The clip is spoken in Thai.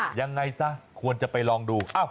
ยังไงซะควรจะไปลองดู